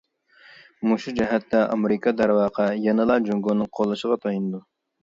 مۇشۇ جەھەتتە، ئامېرىكا دەرۋەقە يەنىلا جۇڭگونىڭ قوللىشىغا تايىنىدۇ.